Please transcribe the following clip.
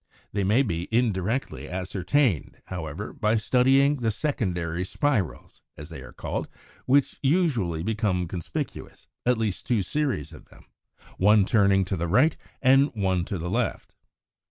They may be indirectly ascertained, however, by studying the secondary spirals, as they are called, which usually become conspicuous, at least two series of them, one turning to the right and one to the left, as shown in Fig.